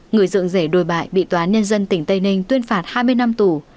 người dưỡng rể đôi bại bị tòa nhân dân tỉnh tây ninh tuyên phạt hai mươi năm tù